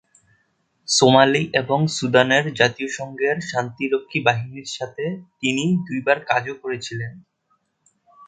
Somali এবং সুদানের জাতিসংঘের শান্তিরক্ষী বাহিনীর সাথে তিনি দু'বার কাজও করেছিলেন।